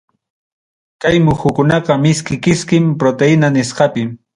Kay muhukunaqa miski kiskim proteína nisqapi.